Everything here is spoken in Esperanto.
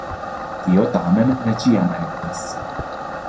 Tio tamen ne ĉiam eblas.